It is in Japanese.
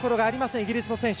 イギリスの選手。